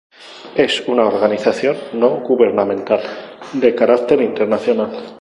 Es una Organización No Gubernamental, de carácter internacional.